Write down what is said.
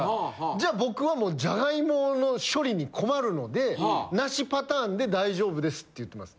じゃあ僕はもうジャガイモの処理に困るので無しパターンで大丈夫ですって言ってます。